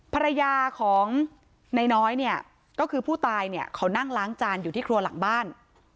ภรรยาของนายน้อยเนี่ยก็คือผู้ตายเนี่ยเขานั่งล้างจานอยู่ที่ครัวหลังบ้าน